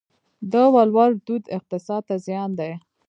د ولور دود اقتصاد ته زیان دی؟